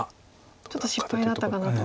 ちょっと失敗だったかなと。